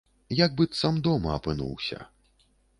Як быццам дома апынуўся.